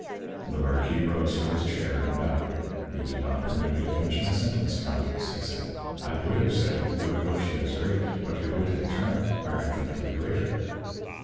The marquis rose from his chair and bowed. "You did not permit me to finish my sentence, countess," he said. "I would have said: 'Your devotion is great, but your wit and charm are infinitely greater.'"